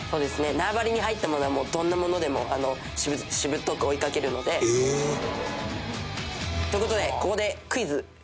縄張りに入ったものはもうどんなものでもしぶとく追いかけるので」という事で。